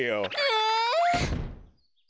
え。